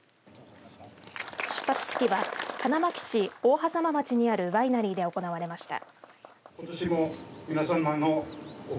出発式は花巻市大迫町にあるワイナリーで行われました。